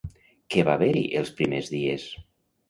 Què va haver-hi els primers dies?